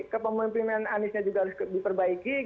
kepemimpinan aniesnya juga harus diperbaiki